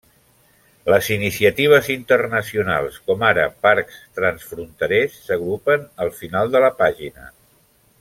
Les iniciatives internacionals com ara parcs transfronterers s'agrupen al final de la pàgina.